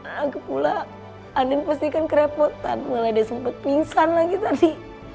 aku pula anin pastikan kerepotan malah dia sempat pingsan lagi tadi